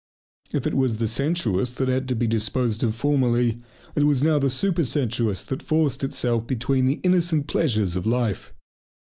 If it was the sensuous that had to be disposed of formerly, it was now the supersensuous that forced itself between the innocent pleasures of life.